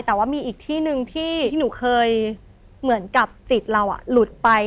แต่ว่ามีอีกที่หนึ่งที่หนูเคยเหมือนกับจิตเราหลุดไป